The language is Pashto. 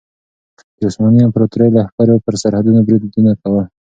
د عثماني امپراطورۍ لښکرو پر سرحدونو بریدونه کول.